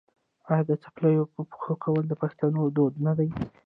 آیا د څپلیو په پښو کول د پښتنو دود نه دی؟